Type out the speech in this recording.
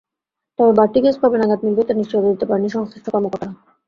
তবে বাড়তি গ্যাস কবে নাগাদ মিলবে, তার নিশ্চয়তা দিতে পারেননি সংশ্লিষ্ট কর্মকর্তারা।